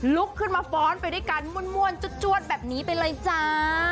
ลุกขึ้นมาฟ้อนไปด้วยกันม่วนจวดแบบนี้ไปเลยจ้า